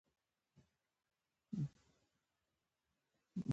که څه هم زه پوهیدم چې هره یوه وتلې بلې یوې ته